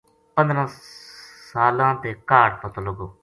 پندرہ سلاں تے کاہڈ پتو لگو۔